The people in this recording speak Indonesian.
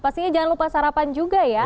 pastinya jangan lupa sarapan juga ya